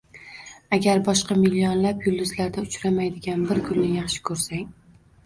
— Agar boshqa millionlab yulduzlarda uchramaydigan bir gulni yaxshi ko‘rsang